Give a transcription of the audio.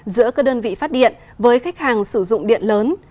giữa các đơn vị phát điện với khách hàng sử dụng điện lớn